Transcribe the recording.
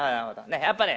やっぱね